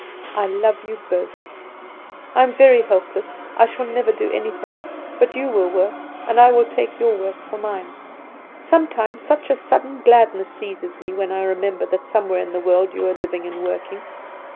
I love both. I am very helpless; I shall never do anything; but you will work, and I will take your work for mine. Sometimes such a sudden gladness seizes me when I remember that somewhere in the world you are living and working.